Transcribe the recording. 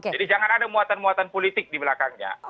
jadi jangan ada muatan muatan politik di belakangnya